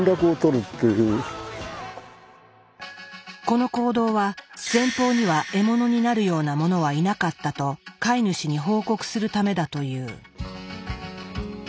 この行動は前方には獲物になるようなものはいなかったと飼い主に報告するためだという。